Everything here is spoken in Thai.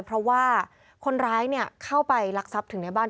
เพราะว่าคนร้ายเข้าไปลักทรัพย์ถึงในบ้าน